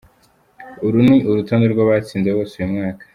Uru ni urutonde rw’abatsinze bose uyu mwaka.